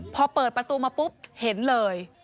พอเปิดประตูมาปุ๊บเห็นเลย